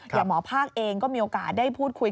อย่างหมอภาคเองก็มีโอกาสได้พูดคุย